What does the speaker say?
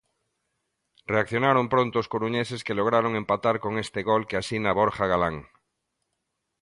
Reaccionaron pronto os coruñeses, que lograron empatar con este gol que asina Borja Galán.